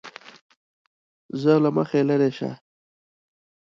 زه له مخې لېرې شه!